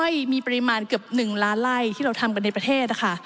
อยมีปริมาณเกือบ๑ล้านไล่ที่เราทำกันในประเทศนะคะ